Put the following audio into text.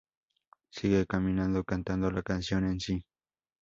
Sigue caminando, cantando la canción en sí.